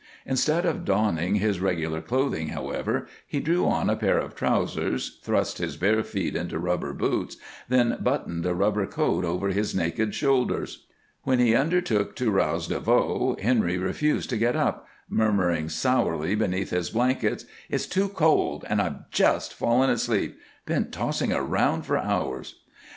Instead of donning his regular clothing, however, he drew on a pair of trousers, thrust his bare feet into rubber boots, then buttoned a rubber coat over his naked shoulders. When he undertook to rouse DeVoe, Henry refused to get up, murmuring sourly beneath his blankets: "It's too cold and I've just fallen asleep been tossing around for hours."